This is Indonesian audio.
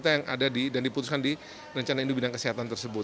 yang ada dan diputuskan di rencana induk bidang kesehatan tersebut